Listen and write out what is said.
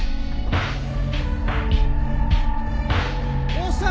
どうした？